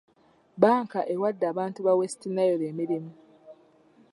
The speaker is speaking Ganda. Bbanka ewadde abantu ba West Nile emirimu .